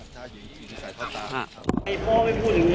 ทำไมไม่พูดอย่างนี้